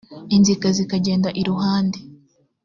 inziga zikagenda iruhande